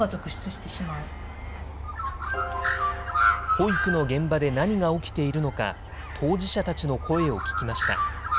保育の現場で何が起きているのか、当事者たちの声を聞きました。